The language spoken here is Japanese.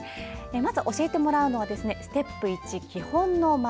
まず教えてもらうのはステップ１、基本の丸。